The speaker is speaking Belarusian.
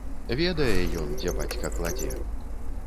Ведае ён, дзе бацька кладзе.